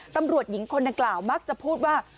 ตำรวจหญิงคนดังกล่าวมักจะพูดว่า